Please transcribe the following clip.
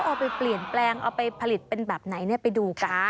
เอาไปเปลี่ยนแปลงเผลียนเป็นแบบไหนไปดู